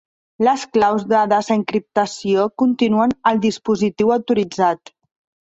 Les claus de desencriptació continuen al dispositiu autoritzat.